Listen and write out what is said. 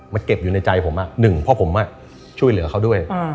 เก็บอยู่ในใจผมหนึ่งเพราะผมช่วยเหลือเขาด้วย